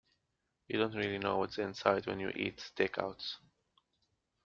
You don't really know what's inside when you eat takeouts.